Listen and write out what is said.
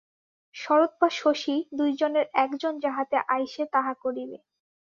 শরৎ বা শশী দুইজনের একজন যাহাতে আইসে তাহা করিবে।